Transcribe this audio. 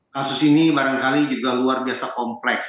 kasus ini barangkali juga luar biasa kompleks